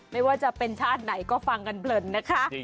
ไม่ว่าจะเป็นชาติไหนก็ฟังกันเพลินนะคะ